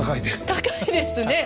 高いですね。